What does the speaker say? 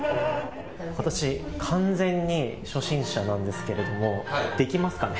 私、完全に初心者なんですけれどできますかね？